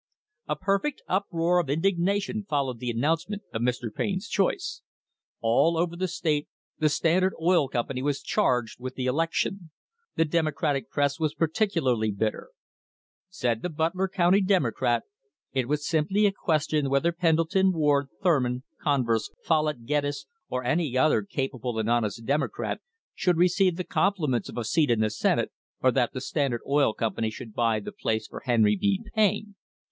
A perfect uproar of indignation followed the announce ment of Mr. Payne's choice. All over the state the Standard Oil Company was charged with the election. The Demo cratic press was particularly bitter: Said the Butler County Democrat: "It was simply a question whether Pendleton, Ward, Thurman, Converse, Follett, Geddes, or any other capable and honest Demo crat, should receive the compliments of a seat in the Senate, or that the Standard Oil Company should buy the place for Henry B. Payne.